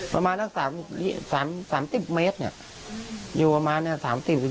ไม่หมายถึงว่าจุดที่ที่ทำงานแล้วอยู่จุดกับจุดที่ทำงาน